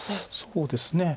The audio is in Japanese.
そうですね。